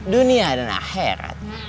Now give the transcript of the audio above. dunia dan akhirat